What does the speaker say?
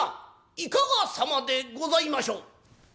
いかがさまでございましょう」。